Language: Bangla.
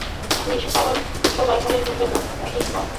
আপনি কারোর শোবার ঘরে ঢোকেন না, তা ঠিক নয়।